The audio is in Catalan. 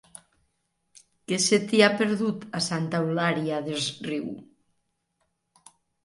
Què se t'hi ha perdut, a Santa Eulària des Riu?